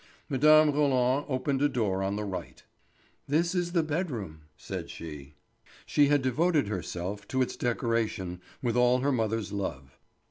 Mme. Roland opened a door on the right. "This is the bed room," said she. She had devoted herself to its decoration with all her mother's love.